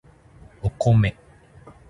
お米